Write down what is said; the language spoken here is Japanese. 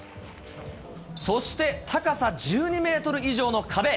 そして高さ１２メートル以上の壁。